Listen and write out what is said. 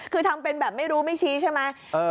คือทำเป็นแบบไม่รู้ไม่ชี้ใช่ไหม